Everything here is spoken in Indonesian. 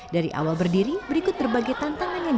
dari awal berdiri berikut berbagai tantangan yang